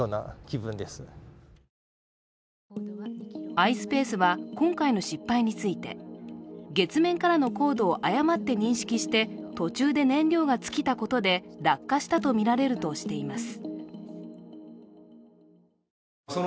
ｉｓｐａｃｅは今回の失敗について月面からの高度を誤って認識して途中で燃料が尽きたことで落下したとみられるとしています。